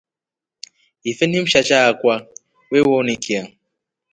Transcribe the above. Ife ni msasha akwa wewonika.